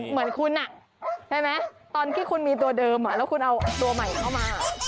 เหมือนคุณใช่ไหมตอนที่คุณมีตัวเดิมแล้วคุณเอาตัวใหม่เข้ามา